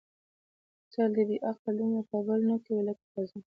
متل دی: بې عقل دومره په بل نه کوي لکه په ځان.